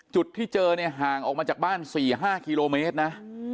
จุดที่เจอเนี่ยห่างออกมาจากบ้าน๔๕กิโลเมตรนะ